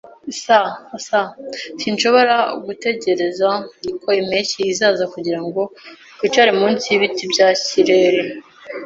[S] [S] Sinshobora gutegereza ko impeshyi izaza kugirango twicare munsi yibiti bya kireri.